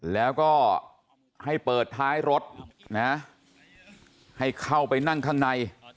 แล้วก็ให้เปิดท้ายรถนะให้เข้าไปนั่งข้างใน